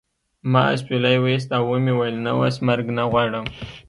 ما اسویلی وایست او و مې ویل نه اوس مرګ نه غواړم